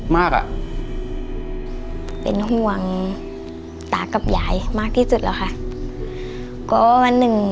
มากอ่ะเป็นห่วงตากับยายมากที่สุดแล้วค่ะก็วันหนึ่ง